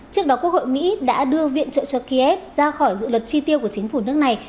trước đó quốc hội mỹ đã đưa viện trợ cho kiev ra khỏi dự luật chi tiêu của chính phủ nước này